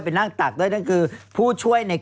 แต่ตอนหลังพี่นุ่มจะเริ่ม